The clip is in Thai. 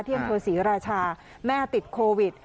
ที่อศรีราชาแม่ติดโควิด